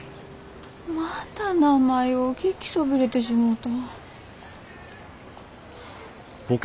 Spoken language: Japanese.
また名前う聞きそびれてしもうた。